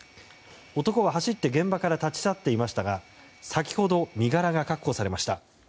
男は走って現場から立ち去っていましたが先ほど、身柄が確保されました。